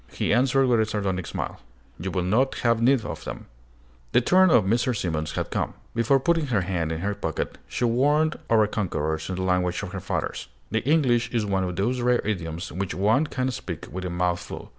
He answered with a sardonic smile, "You will not have need of them." The turn of Mrs. Simons had come. Before putting her hand in her pocket, she warned our conquerors in the language of her fathers. The English is one of those rare idioms which one can speak with a mouth full.